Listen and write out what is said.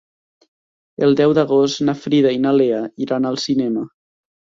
El deu d'agost na Frida i na Lea iran al cinema.